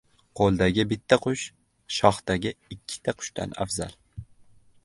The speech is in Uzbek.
• Qo‘ldagi bitta qush shoxdagi ikkita qushdan afzal.